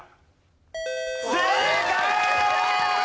正解！